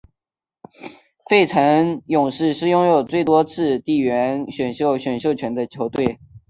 费城勇士是拥有最多次地缘选秀选秀权的球队。